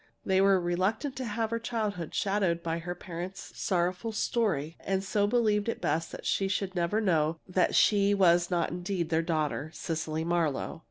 They were reluctant to have her childhood shadowed by her parents' sorrowful story, and so believed it best that she should never know that she was not indeed their daughter, Cecily Marlowe.